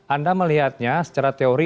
anda melihatnya secara teori